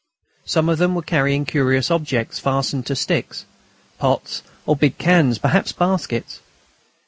Some of them were carrying curious objects fastened to sticks: pots or big cans, perhaps baskets.